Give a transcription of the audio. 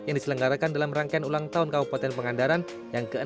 yang diselenggarakan dalam rangkaian ulang tahun kabupaten pangandaran yang ke enam